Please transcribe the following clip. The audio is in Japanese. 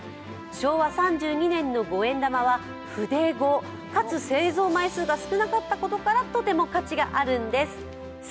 昭和３２年の五円玉はフデ五かつ製造枚数が少なかったことから、価値があるんです。